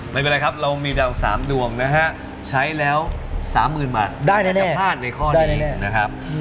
ไม่เป็นไรครับเรามีดาว๓ดวงนะฮะใช้แล้ว๓๐๐๐บาทพลาดในข้อนี้แน่นะครับ